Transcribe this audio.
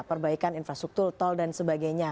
perbaikan infrastruktur tol dan sebagainya